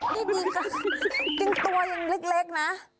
นี่ดีจังจริงตัวยังเล็กนะ